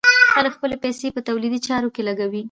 خلک خپلې پيسې په تولیدي چارو کې لګوي.